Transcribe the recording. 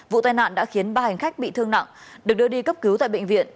vụ tai nạn đã khiến ba hành khách bị thương nặng được đưa đi cấp cứu tại bệnh viện